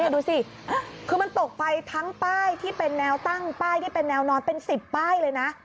ดูสิคือมันตกไปทั้งป้ายที่เป็นแนวตั้งป้ายที่เป็นแนวนอนเป็น๑๐ป้ายเลยนะ